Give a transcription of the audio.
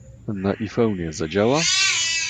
Na iPhonie zadziała?